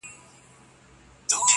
• نه شهید او نه زخمي د چا په یاد وو -